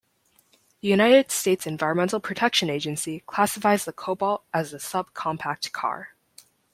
The United States Environmental Protection Agency classifies the Cobalt as a subcompact car.